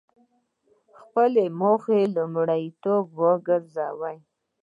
خپله موخه لومړیتوب وګرځوئ.